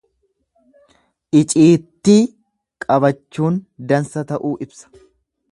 Iciittii qabachuun dansa ta'uu ibsa.